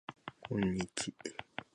こんにち